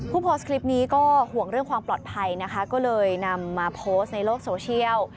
โพสต์คลิปนี้ก็ห่วงเรื่องความปลอดภัยนะคะก็เลยนำมาโพสต์ในโลกโซเชียล